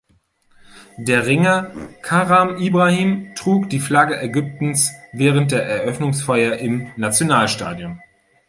Der Ringer Karam Ibrahim trug die Flagge Ägyptens während der Eröffnungsfeier im Nationalstadion.